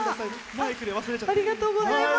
ありがとうございます。